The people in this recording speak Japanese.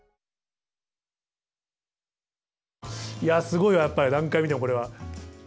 いやすごいわやっぱり何回見てもこれは。